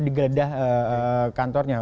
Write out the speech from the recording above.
di geledah kantornya